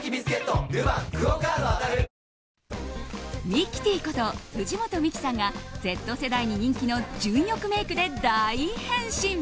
ミキティこと藤本美貴さんがＺ世代に人気の純欲メイクで大変身。